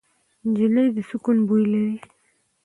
نجلۍ د سکون بوی لري.